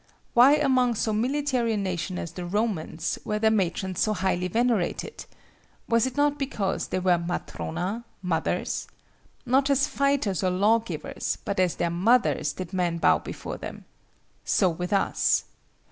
Why among so military a nation as the Romans, were their matrons so highly venerated? Was it not because they were matrona, mothers? Not as fighters or law givers, but as their mothers did men bow before them. So with us.